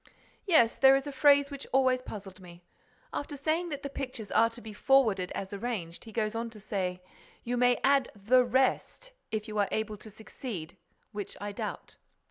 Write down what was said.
"Yes. There is a phrase which always puzzled me. After saying that the pictures are to be forwarded as arranged, he goes on to say, 'You may add the rest, if you are able to succeed, which I doubt.